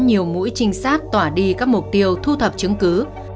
nhiều mũi trinh sát tỏa đi các mục tiêu thu thập chứng cứ